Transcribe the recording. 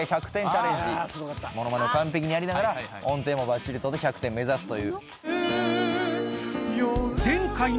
ものまねを完璧にやりながら音程もばっちり取って１００点目指すという。